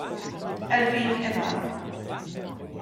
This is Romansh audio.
El vegn e va.